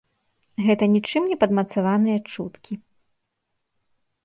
Гэта ні чым не падмацаваныя чуткі.